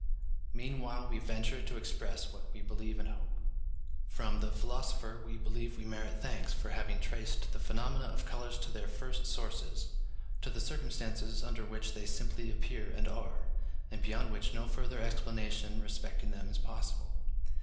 Meanwhile, we venture to express what we believe and hope. From the philosopher we believe we merit thanks for having traced the phenomena of colours to their first sources, to the circumstances under which they simply appear and are, and beyond which no further explanation respecting them is possible.